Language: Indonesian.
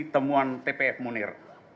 temuan tpf munir